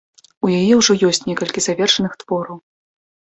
У яе ўжо ёсць некалькі завершаных твораў.